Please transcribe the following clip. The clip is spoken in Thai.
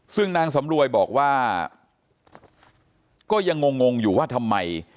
ซึ่งนางสำรวยบอกว่าก็ยังงงอยู่ว่าทำไม